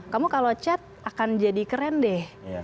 kamu kalau chat akan jadi keren deh